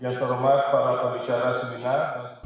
yang terlewat para pembicaraan semula